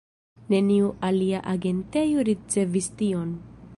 Neniu alia agentejo ricevis tiom.